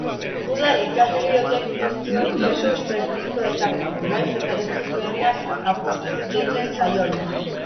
Juda Iskariotek ez zuen Jesus berpiztua ezagutu, nahiz eta Itun Berrian apostolu deitzen zaion.